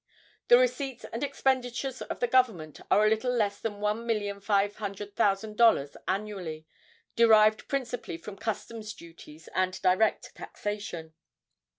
The receipts and expenditures of the government are a little less than one million five hundred thousand dollars annually, derived principally from customs duties and direct taxation.